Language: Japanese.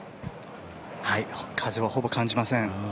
風はほぼ感じません。